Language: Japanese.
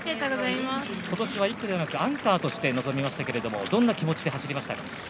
今年は１区ではなくアンカーとして臨みましたけれどもどんな気持ちで走りましたか。